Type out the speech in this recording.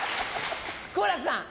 好楽さん。